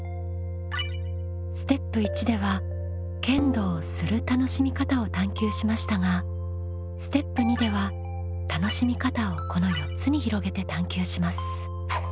ステップ１では剣道をする楽しみ方を探究しましたがステップ２では楽しみ方をこの４つに広げて探究します。